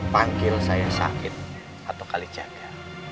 panggil saya syahid atau kalijaga